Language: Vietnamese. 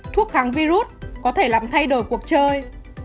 thuốc kháng virus có thể làm thay đổi cuộc chơi